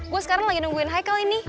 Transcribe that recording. gue sekarang lagi nungguin hicle ini